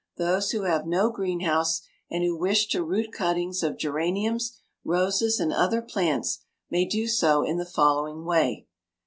Those who have no greenhouse and who wish to root cuttings of geraniums, roses, and other plants may do so in the following way.